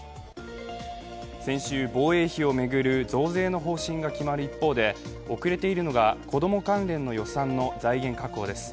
先週、防衛費を巡る増税の方針が決まる一方で遅れているのが子供関連の予算の財源確保です。